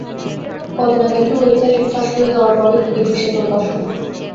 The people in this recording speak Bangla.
কদিন আগে একটি ওয়েবসাইট এটি ফাঁস করে দেওয়ার পরই ক্রিকেট-বিশ্বে তোলপাড় শুরু।